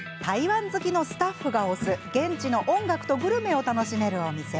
台湾好きのスタッフが推す現地の音楽とグルメを楽しめるお店。